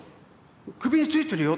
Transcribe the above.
「首についてるよ」って。